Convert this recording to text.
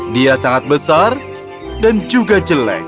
dia sangat besar dan juga jelek